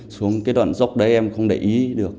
xuống cái đoạn dốc đấy em không để ý được